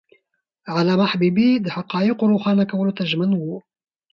علامه حبيبي د حقایقو روښانه کولو ته ژمن و.